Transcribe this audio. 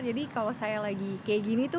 jadi kalau saya lagi kayak gini itu